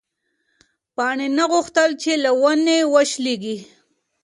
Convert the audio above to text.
پاڼې نه غوښتل چې له ونې وشلېږي.